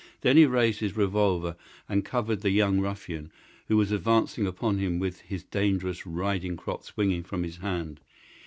Then he raised his revolver and covered the young ruffian, who was advancing upon him with his dangerous riding crop swinging in his hand.